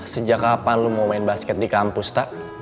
sejak kapan lu mau main basket di kampus tak